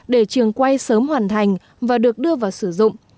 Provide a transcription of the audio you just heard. để trường quay sớm hoàn thành và được đưa vào sử dụng